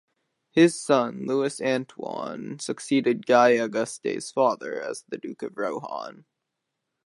His son Louis Antoine succeeded Guy Auguste's father as the Duke of Rohan.